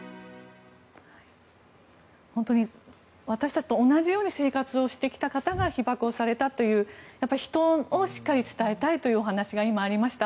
本当に私たちと同じように生活をしてきた方が被爆をされたという人をしっかり伝えたいというお話が今、ありました。